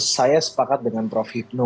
saya sepakat dengan prof hipno